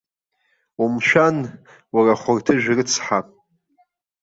Умшәан, уара ахәырҭыжә рыцҳа.